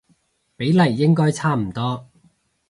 比例應該差唔多